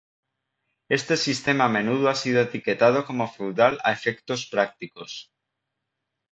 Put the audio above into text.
Este sistema a menudo ha sido etiquetado como feudal a efectos prácticos.